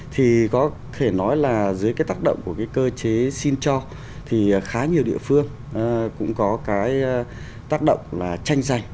thì có thể nói là dưới tác động của cơ chế xin cho thì khá nhiều địa phương cũng có tác động là tranh giành